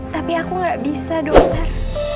tapi aku gak bisa dokter